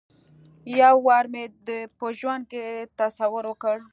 یو وار مې په ژوند کې تصور وکړ.